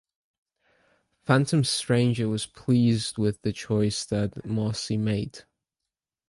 Phantom Stranger was pleased with the choice that Marcie made.